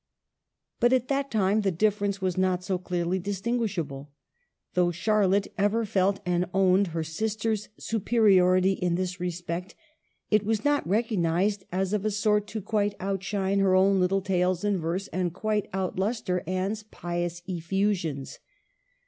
But at that time the difference was not so clearly distinguishable ; though Charlotte ever felt and owned her sister's superiority in this respect, it was not recognized as of a sort to quite outshine her own little tales in verse, and quite outlustre Anne's pious effusions.